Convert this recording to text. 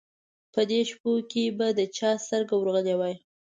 په دې شپو کې به د چا سترګه ورغلې وای.